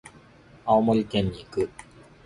青森県に行く。